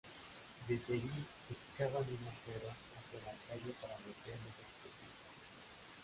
Desde allí excavan un agujero hacia la calle para meter los explosivos.